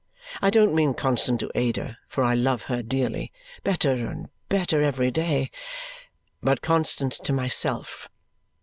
I don't mean constant to Ada, for I love her dearly better and better every day but constant to myself.